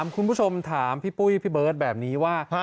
คุณผู้ชมถามพี่ปุ้ยพี่เบิร์ตแบบนี้ว่า